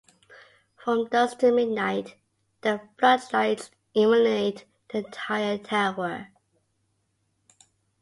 From dusk to midnight, the floodlights illuminate the entire tower.